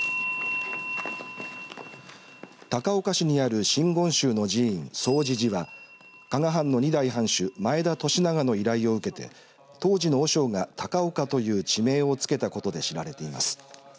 高岡市にある真言宗の寺院総持寺は加賀藩の２代藩主前田利長の依頼を受けて当時の和尚が高岡という地名をつけたことで知られています。